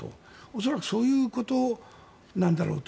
恐らくそういうことなんだろうと。